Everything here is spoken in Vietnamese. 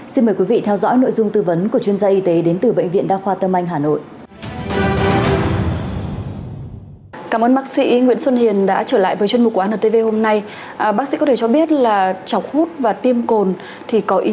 xin mời quý vị theo dõi nội dung tư vấn của chuyên gia y tế đến từ bệnh viện đa khoa tâm anh hà nội